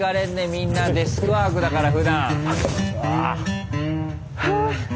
みんなデスクワークだからふだん。